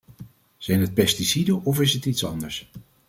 Zijn het pesticiden, of is het iets anders?